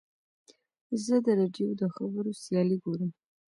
زه د راډیو د خبرو سیالۍ ګورم.